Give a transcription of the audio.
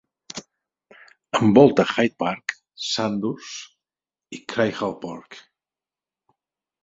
Envolta Hyde Park, Sandhurs i Craighall Park.